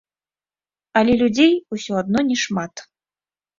Але людзей усё адно не шмат.